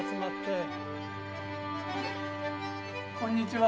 こんにちは。